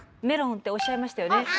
メロンっておっしゃいましたよね。